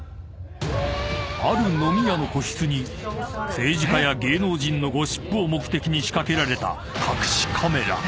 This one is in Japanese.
［ある飲み屋の個室に政治家や芸能人のゴシップを目的に仕掛けられた隠しカメラ］